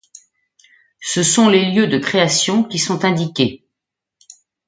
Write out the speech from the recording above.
Ce sont les lieux de création qui sont indiqués.